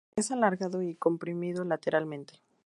Es alargado y comprimido lateralmente.